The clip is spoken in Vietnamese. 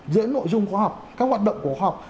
giữa nội dung của khóa học các hoạt động của khóa học